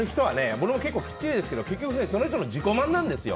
俺も結構きっちりですけど結局その人の自己満なんですよ。